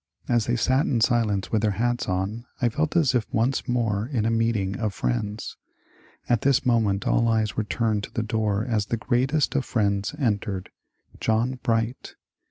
As they sat in silence with their hats on I felt as if once more in a meeting of Friends. At this moment all eyes were turned to the door as the greatest of Friends entered — John Bright.